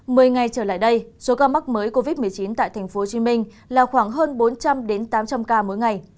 my ngày trở lại đây số ca mắc mới covid một mươi chín tại tp hcm là khoảng hơn bốn trăm linh tám trăm linh ca mỗi ngày